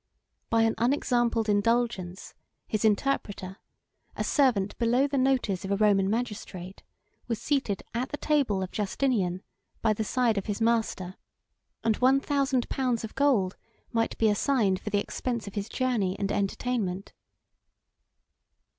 89 By an unexampled indulgence, his interpreter, a servant below the notice of a Roman magistrate, was seated, at the table of Justinian, by the side of his master: and one thousand pounds of gold might be assigned for the expense of his journey and entertainment.